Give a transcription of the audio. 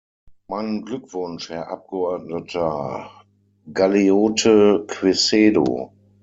Meinen Glückwunsch, Herr Abgeordneter Galeote Quecedo.